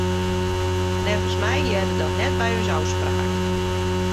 Neffens my hearde dat net by ús ôfspraak.